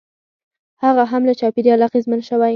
هغه هم له چاپېریال اغېزمن شوی.